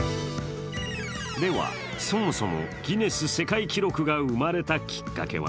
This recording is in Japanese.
では、そもそもギネス世界記録が生まれたきっかけは？